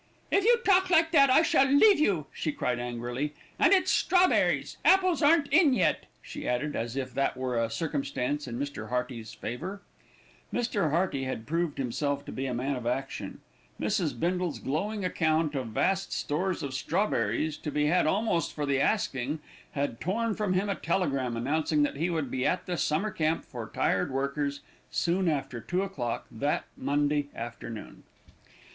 "If you talk like that I shall leave you," she cried angrily; "and it's strawberries, apples aren't in yet," she added, as if that were a circumstance in Mr. Hearty's favour. Mr. Hearty had proved himself to be a man of action. Mrs. Bindle's glowing account of vast stores of strawberries, to be had almost for the asking, had torn from him a telegram announcing that he would be at the Summer Camp for Tired Workers soon after two o'clock that, Monday, afternoon. Mrs.